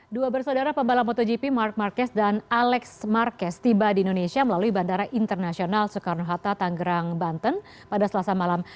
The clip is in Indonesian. dua bersaudara pembalap motogp mark marquez dan alex marquez tiba di indonesia melalui bandara internasional soekarno hatta tanggerang banten pada selasa malam